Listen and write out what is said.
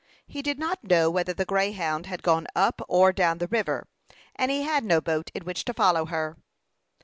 He did not know whether the Greyhound had gone up or down the river; and he had no boat in which to follow her.